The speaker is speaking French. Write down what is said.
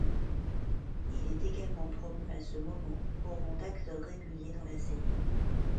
Il est également promu à ce moment au rang d'acteur régulier dans la série.